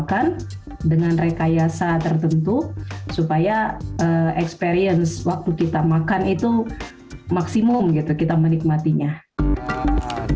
makan dengan rekayasa tertentu supaya experience waktu kita makan itu maksimum gitu kita menikmatinya